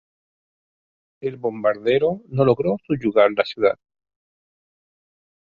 El bombardeo no logró subyugar la ciudad.